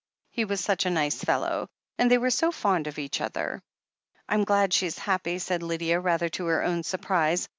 He was such a nice fellow, a^d they were so fond of each other." "Fm glad she's happy," said Lydia, rather to her own surprise.